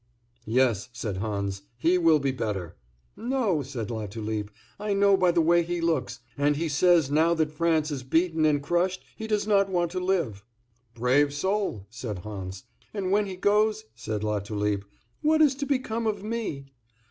"Yes," said Hans, "he will be better." "No," said Latulipe, "I know by the way he looks, and he says now that France is beaten and crushed he does not want to live." "Brave soul!" said Hans. "And when he goes," said Latulipe, "what is to become of me?"